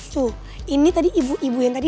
tuh ini tadi ibu ibu yang tadi dua seratus